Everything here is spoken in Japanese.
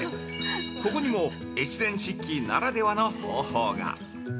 ここにも越前漆器ならではの方法が。